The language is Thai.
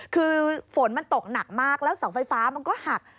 คือฝนมันตกหนักมากแล้วเสาไฟฟ้ามันก็หัก